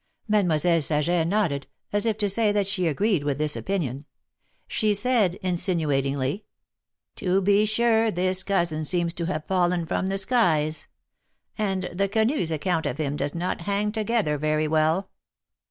Mademoiselle Saget nodded, as if to say that she agreed with this opinion. She said, insinuatingly; 104 THE MAEKETS OF PAEIS. be sure this cousin seems to have fallen from the skies. And the Quenus^ account of him does not hang together very well.